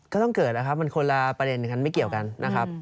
ก็ต้องเกิดนะครับมันคนละประเด็นอย่างนั้นไม่เกี่ยวกันนะครับ